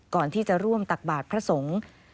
ก่อนที่จะร่วมตักบาทพระสงฆ์